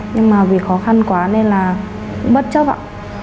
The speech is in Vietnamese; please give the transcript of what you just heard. nhưng mà vì khó khăn quá nên là cũng bất chấp ạ